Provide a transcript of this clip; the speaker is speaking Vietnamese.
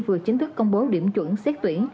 vừa chính thức công bố điểm chuẩn xét tuyển